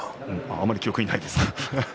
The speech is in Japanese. あまり記憶にないですか。